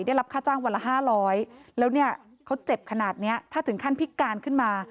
ได้รับค่าจ้างวันละ๕๐๐แล้วเนี่ยเขาเจ็บขนาดนี้ถ้าถึงขั้นพิการขึ้นมา